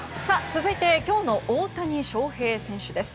続いて今日の大谷翔平選手です。